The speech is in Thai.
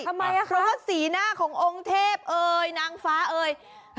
ทำไมอะคะเพราะสีหน้าขององค์เทพเอ่ยนางฟ้าเอ่ย